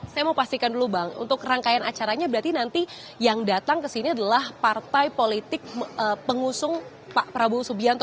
saya mau pastikan dulu bang untuk rangkaian acaranya berarti nanti yang datang ke sini adalah partai politik pengusung pak prabowo subianto